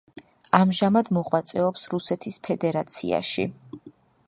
ამჟამად მოღვაწეობს რუსეთის ფედერაციაში.